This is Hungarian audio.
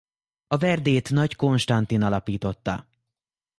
A verdét Nagy Konstantin alapította.